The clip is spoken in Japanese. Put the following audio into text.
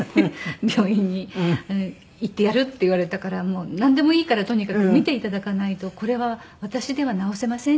「病院に行ってやる」って言われたから「なんでもいいからとにかく診て頂かないとこれは私では治せません」